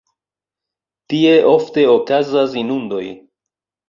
Tie ofte okazas inundoj.